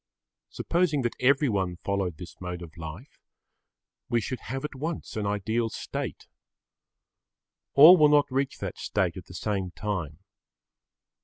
Supposing that everyone followed this mode of life, we should have at once an ideal state. All will not reach that state at the same time.